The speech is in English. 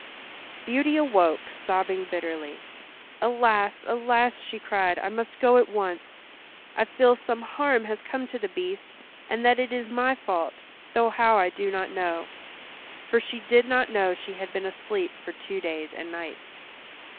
Beauty awoke, sobbing bitterly. "Alas, alas!" she cried. "I must go at once. I feel some harm has come to the Beast, and that it is my fault, though how I do not know." For she did not know she had been asleep for two days and nights.